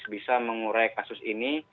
bisa mengurai kasus ini